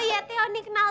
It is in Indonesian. oh iya tehoni kenalin